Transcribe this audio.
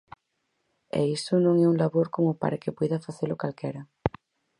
E iso non é un labor como para que poida facelo calquera.